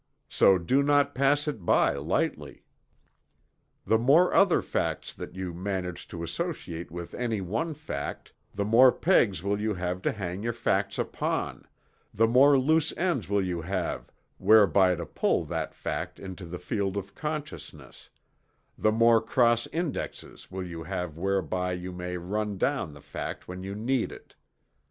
So do not pass it by lightly. The more other facts that you manage to associate with any one fact, the more pegs will you have to hang your facts upon the more "loose ends" will you have whereby to pull that fact into the field of consciousness the more cross indexes will you have whereby you may "run down" the fact when you need it.